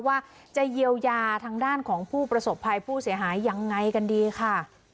ว่าจะเยียวยาทางด้านของผู้ประสบภัยผู้เสียหายยังไงกันดีค่ะ